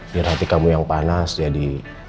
biar hati kamu yang panas jadi